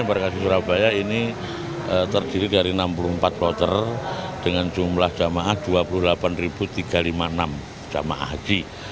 warga di surabaya ini terdiri dari enam puluh empat kloter dengan jumlah jamaah dua puluh delapan tiga ratus lima puluh enam jamaah haji